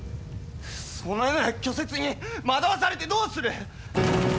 そのような虚説に惑わされてどうする！